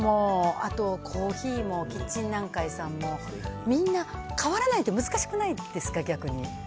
あとコーヒーも、キッチン南海さんも、みんな、変わらないって難しくないですか、逆に。